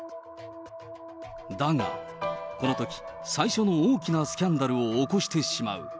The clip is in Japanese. だが、このとき、最初の大きなスキャンダルを起こしてしまう。